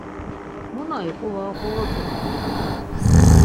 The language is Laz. Mu na iqu var oxovotzoni.